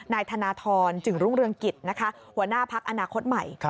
นายธนทรจึงรุ่งเรืองกิจนะคะหัวหน้าพักอนาคตใหม่